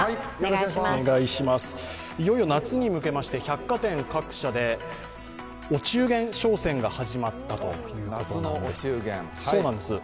いよいよ夏に向けまして百貨店各社でお中元商戦が始まったということなんです。